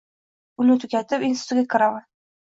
Uni tugatib, institutga kiraman